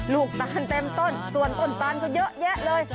ลูกตาลเต็มต้นส่วนต้นตานก็เยอะแยะเลย